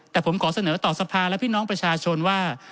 แต่ผมขอเสนอต่อสภาและพี่น้องประชาชนว่า